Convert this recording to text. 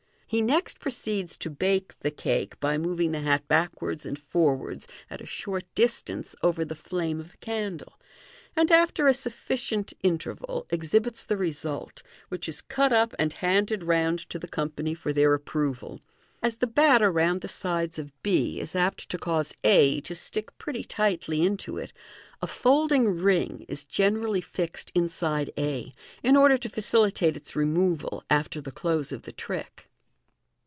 He next proceeds to bake the cake, by moving the hat backwards and forwards at a short distance over the flame of a candle, and, after a sufficient interval, exhibits the result, which is cut op and handed round to the company for their approval. As the batter round the sides of b is apt to cause a to stick pretty tightly into it, a folding ring is generally fixed inside a, in order to facilitate its removal after the close of the trick.